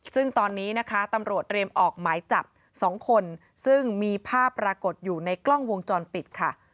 ซึ่งตอนนี้นะคะตำรวจเรียมออกหมายจับ๒คนซึ่งมีภาพปรากฏอยู่ในกล้องวงจรปิดค่ะ